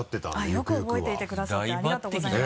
よく覚えていてくださって。